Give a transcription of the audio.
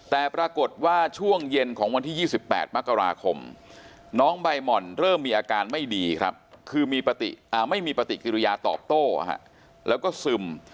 แต่ปรากฏว่าช่วงเย็นของวันที่๒๘มกราคมน้องใบหม่อนเริ่มมีอาการไม่ดีครับคือไม่มีปฏิกิริยาตอบโต้แล้วก็ซึม